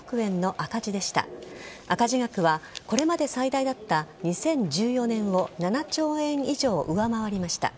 赤字額はこれまで最大だった２０１４年を７兆円以上、上回りました。